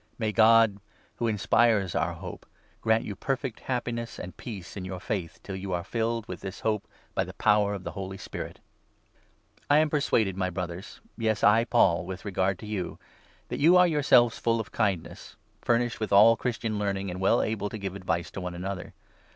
May God, who inspires our hope, grant you perfect happiness 13 and peace in your faith, till you are filled with this hope by the power of the Holy Spirit. I am persuaded, my Brothers — yes, I Paul, with regard to 14 you — that you are yourselves full of kindness, furnished with all Christian learning, and well able to give advice to one another.